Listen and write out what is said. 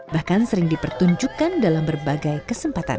bahkan sering dipertunjukkan dalam berbagai kesempatan